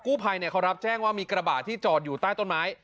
ผู้ภัยเขารับแจ้งว่ามีกระบะที่จอดอยู่ใต้ต้นไม้